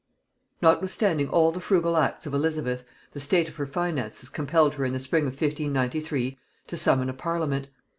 Notwithstanding all the frugal arts of Elizabeth, the state of her finances compelled her in the spring of 1593 to summon a parliament.